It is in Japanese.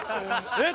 えっ？